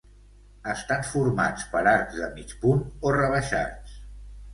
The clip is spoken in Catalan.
Estan formats per arcs de mig punt o rebaixats.